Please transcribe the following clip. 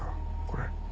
これ。